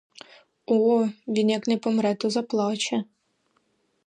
О, він як не помре, то заплаче.